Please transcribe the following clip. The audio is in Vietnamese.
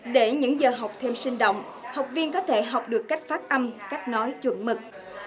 để những giờ học thêm sinh động học viên có thể học được cách phát âm cách nói chuẩn mực